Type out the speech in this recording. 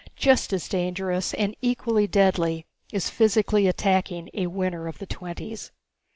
Just as dangerous, and equally deadly, is physically attacking a Winner of the Twenties.